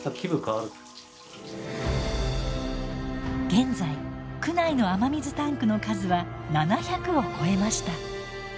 現在区内の雨水タンクの数は７００を超えました。